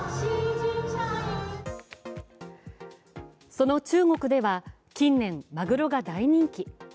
その中国では、近年、まぐろが大人気。